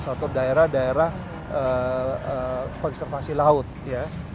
atau daerah daerah konservasi laut ya